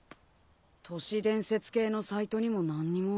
都市伝説系のサイトにも何にも。